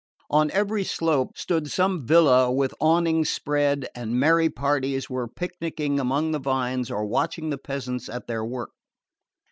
On every slope stood some villa with awnings spread, and merry parties were picnicking among the vines or watching the peasants at their work.